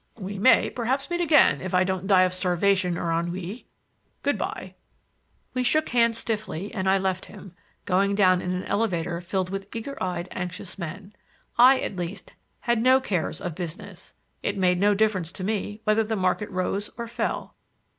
"We may perhaps meet again, if I don't die of starvation or ennui. Good by." We shook hands stiffly and I left him, going down in an elevator filled with eager eyed, anxious men. I, at least, had no cares of business. It made no difference to me whether the market rose or fell.